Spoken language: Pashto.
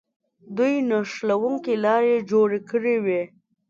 دوی نښلوونکې لارې جوړې کړې وې.